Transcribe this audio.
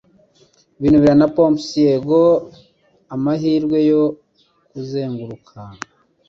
binubira na mops yego amahirwe yo kuzenguruka